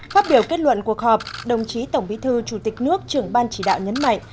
phát biểu kết luận cuộc họp đồng chí tổng bí thư chủ tịch nước trưởng ban chỉ đạo nhấn mạnh